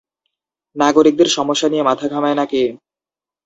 নাগরিকদের সমস্যা নিয়ে মাথা ঘামায় না কে?